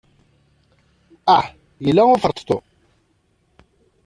Ah, yella uferṭeṭṭu!